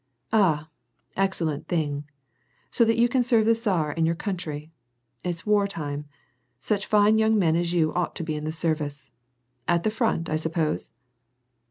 " Ah, excellent thing ! So that you can serve the tsar and your country. It's war time. Such fine young men as you ought to be in the service. At the front, I suppose